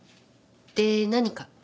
で何か？